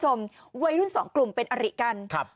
คุณผู้ชมวัยรุ่นสองกลุ่มเป็นอริกันครับ